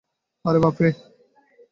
আরে, বাপরে।